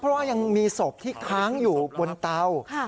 เพราะว่ายังมีศพที่ค้างอยู่บนเตา